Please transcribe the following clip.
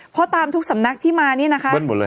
เพราะตามทุกสำนักที่มานี่นะคะ